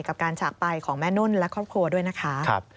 กับการจากไปของแม่นุ่นและครอบครัวด้วยนะคะ